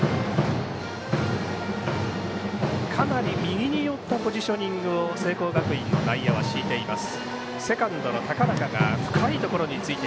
かなり右に寄ったポジショニングを聖光学院の内野は敷いています。